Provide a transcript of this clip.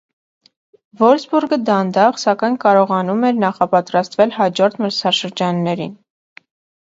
Վոլֆսբուրգը դանդաղ, սակայն կարողանում էր նախապատրաստվել հաջորդ մրցաշրջաններին։